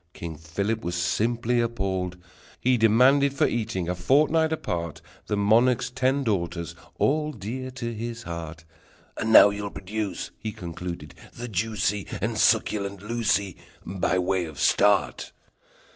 King Philip was simply appalled! He demanded for eating, a fortnight apart, The monarch's ten daughters, all dear to his heart. "And now you'll produce," he Concluded, "the juicy And succulent Lucie By way of start!"